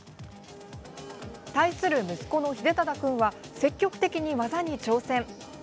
対する息子の秀忠君は積極的に技に挑戦。